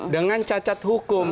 dengan cacat hukum